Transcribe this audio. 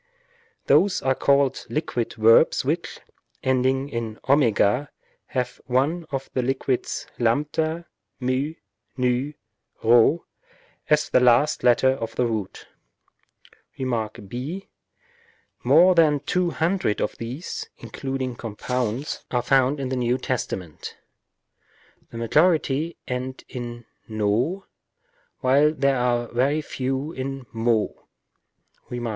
Those are called liquid verbs which, ending in w, have one of the liquids (A, μ, ν, p) as the last letter of the root. Rem. ὃ. More than two hundred of these, including sadiecbands, are OF THE NEW TESTAMENT. 43 found in the N. T. The majority end in vw, while there are very few in μω.